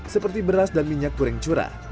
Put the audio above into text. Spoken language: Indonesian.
seperti beras dan minyak goreng curah